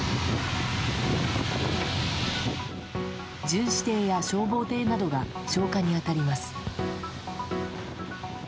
巡視艇や消防艇などが消火に当たります。